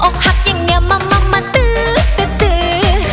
อกหักอย่างเงียบมามาตื๊ดตื๊ดตื๊ด